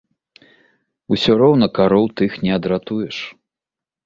Усё роўна кароў тых не адратуеш.